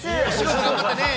頑張ってね。